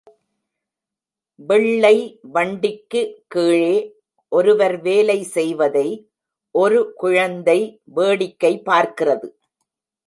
வெள்ளை வண்டிக்கு கீழே ஒருவர் வேலை செய்வதை ஒரு குழந்தை வேடிக்கை பார்க்கிறது.